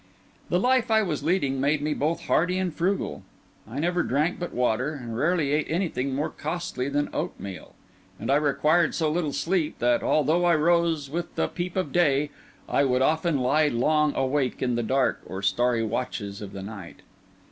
The life I was leading made me both hardy and frugal. I never drank but water, and rarely ate anything more costly than oatmeal; and I required so little sleep, that, although I rose with the peep of day, I would often lie long awake in the dark or starry watches of the night.